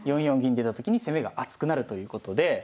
４四銀出た時に攻めが厚くなるということで。